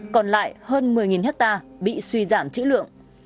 còn lại hơn một mươi hectare bị suy giảm chữ lượng